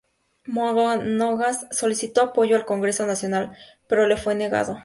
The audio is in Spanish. Monagas solicitó apoyo al Congreso Nacional, pero le fue negado.